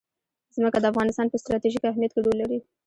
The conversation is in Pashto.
ځمکه د افغانستان په ستراتیژیک اهمیت کې رول لري.